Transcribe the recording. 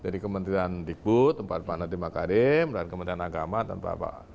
jadi kementerian digbud tempat tempat nati makarim dan kementerian agama tempat pak